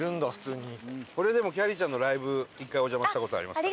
俺でもきゃりーちゃんのライブ１回お邪魔した事ありますから。